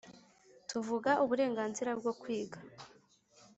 tuvuga uburenganzira bwo kwiga